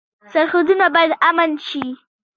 سرحدونه باید امن شي